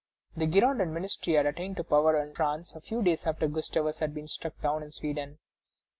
The Girondin ministry attained to power in France a few days after Gustavus had been struck down in Sweden.